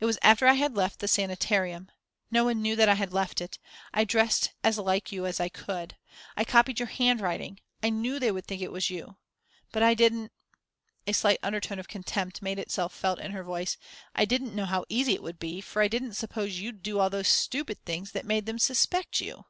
It was after I had left the sanitarium no one knew that I had left it. I dressed as like you as I could, I copied your handwriting, I knew they would think it was you. But I didn't" a slight undertone of contempt made itself felt in her voice "I didn't know how easy it would be, for I didn't suppose you'd do all those stupid things that made them suspect you."